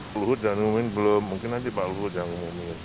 pak luhut dan mumin belum mungkin nanti pak luhut yang umumin